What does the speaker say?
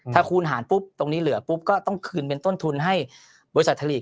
ถ้าคูณหารปุ๊บตรงนี้เหลือปุ๊บก็ต้องคืนเป็นต้นทุนให้บริษัทผลิต